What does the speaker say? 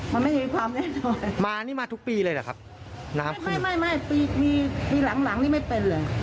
มันไม่มีความได้สร้อยมานี่มาทุกปีเลยหรือครับไม่พี่ไปไม่เป็นอะไร